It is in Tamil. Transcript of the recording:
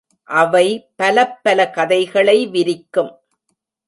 அவை பலப்பல கதைகளை விரிக்கும்.